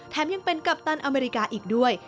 ยังเป็นกัปตันอเมริกาอีกด้วย